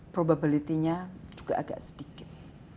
kemungkinan juga agak sedikit